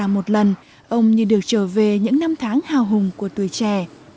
một lần ông như được trở về những năm tháng hào hùng của tuổi trẻ